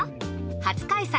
初開催